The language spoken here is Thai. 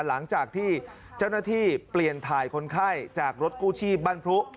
หลังจากที่เจ้าหน้าที่เปลี่ยนถ่ายคนไข้จากรถกู้ชีพบ้านพรุ